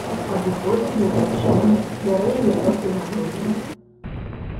Падыходзіць да дзяўчыны, бярэ яе проста за грудзі.